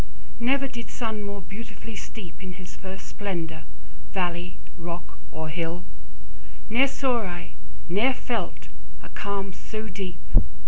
Never did sun more beautifully steep In his first splendour, valley, rock, or hill; 10 Ne'er saw I, never felt, a calm so deep!